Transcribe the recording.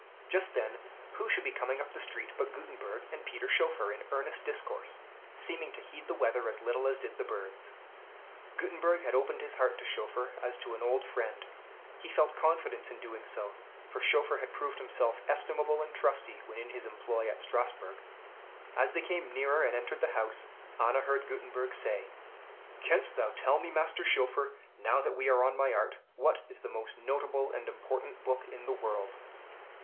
Just then who should be coming up the street but Gutenberg and Peter Schoeffer, in earnest discourse, seeming to heed the weather as little as did the birds. Gutenberg had opened his heart to Schoeffer as to an old friend; he felt confidence in doing so, for Schoeffer had proved himself estimable and trusty when in his employ at Strasbourg. As they came nearer and entered the house, Anna heard Gutenberg say, "Canst thou tell me, Master Schoeffer, now that we are on my art, what is the most notable and important book in the world?"